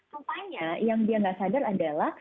rupanya yang dia nggak sadar adalah